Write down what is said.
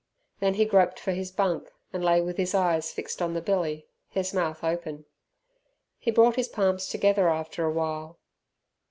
Then he groped for his bunk, and lay with his eyes fixed on the billy, his mouth open. He brought his palms together after a while.